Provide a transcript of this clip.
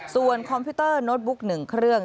ส่วนคอมพิวเตอร์โน้ตบุ๊ก๑เครื่อง